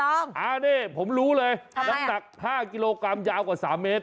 อ่าเนี่ยผมรู้เลยนับตัก๕กิโลกรัมยาวกว่า๓เมตร